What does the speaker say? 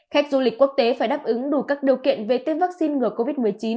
khách du lịch quốc tế phải đáp ứng đủ các điều kiện về tiêm vaccine ngừa covid một mươi chín